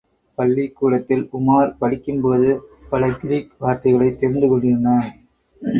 பள்ளிக் கூடத்தில் உமார் படிக்கும்போது, பல கிரீக் வார்த்தைகளைத் தெரிந்து கொண்டிருந்தான்.